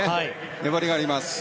粘りがありますね。